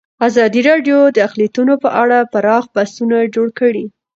ازادي راډیو د اقلیتونه په اړه پراخ بحثونه جوړ کړي.